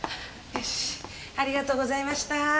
よしありがとうございました。